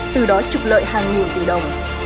từ đó trục lợi hàng nghìn tỷ đồng